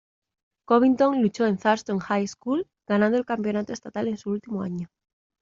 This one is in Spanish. Covington luchó en Thurston High School, ganando el campeonato estatal en su último año.